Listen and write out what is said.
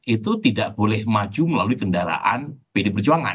itu tidak boleh maju melalui kendaraan pd perjuangan